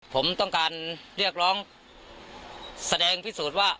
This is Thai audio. ผมต้องการเรียกร้องแสดงพิสูจน์ว่า